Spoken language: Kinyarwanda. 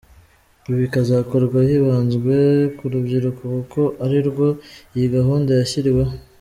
Ibi bikazakorwa hibanzwe ku rubyiruko kuko arirwo iyi gahunda yashyiriweho.